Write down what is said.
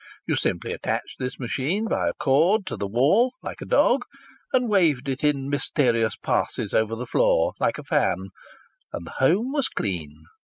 You simply attached this machine by a cord to the wall, like a dog, and waved it in mysterious passes over the floor, like a fan, and the house was clean!